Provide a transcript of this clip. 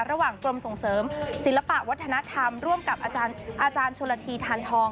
ระหว่างกรวมส่งเสริมศิลปะวัฒนธรรมร่วมกับอาจารย์อาจารย์ชวนละทีทานทอง